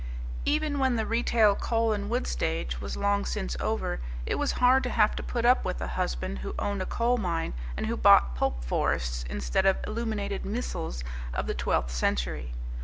Even when the retail coal and wood stage was long since over, it was hard to have to put up with a husband who owned a coal mine and who bought pulp forests instead of illuminated missals of the twelfth century.